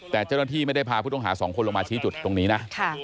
แต่เจ้าหน้าที่ไม่ได้พาผู้ต้องหาสองคนลงมาชี้จุดตรงนี้นะ